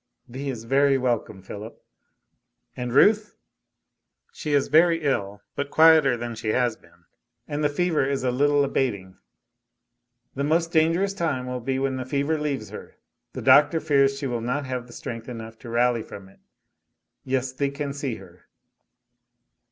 "Thee is very welcome, Philip." "And Ruth?" "She is very ill, but quieter than she has been, and the fever is a little abating. The most dangerous time will be when the fever leaves her. The doctor fears she will not have strength enough to rally from it. Yes, thee can see her."